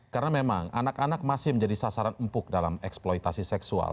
karena memang anak anak masih menjadi sasaran empuk dalam eksploitasi seksual